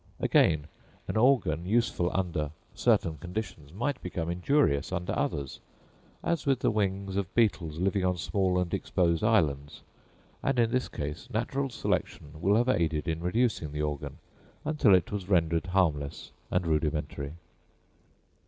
Again, an organ, useful under certain conditions, might become injurious under others, as with the wings of beetles living on small and exposed islands; and in this case natural selection will have aided in reducing the organ, until it was rendered harmless and rudimentary.